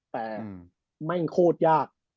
แต่ไม่ข้ดยาก